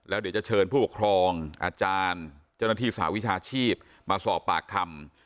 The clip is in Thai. แล้วเดี๋ยวจะเชิญผู้ปกครองอาจารย์เจ้าหน้าที่สหวิชาชีพมาสอบปากคำ